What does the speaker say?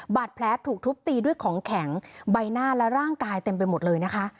บาดแผลถูกทุบตีด้วยของแข็งใบหน้าและร่างกายเต็มไปหมดเลยนะคะ